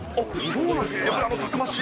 そうなんですか。